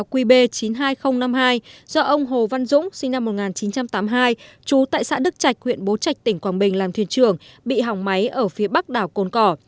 qb chín mươi hai nghìn năm mươi hai do ông hồ văn dũng sinh năm một nghìn chín trăm tám mươi hai trú tại xã đức trạch huyện bố trạch tỉnh quảng bình làm thuyền trưởng bị hỏng máy ở phía bắc đảo cồn cỏ